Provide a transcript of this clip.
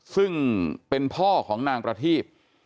ซึ่งเป็นพ่อของนางประทีบ